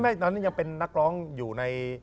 ตอนนี้ยังเป็นนักร้องอยู่ใน